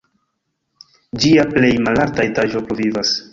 Ĝia plej malalta etaĝo pluvivas.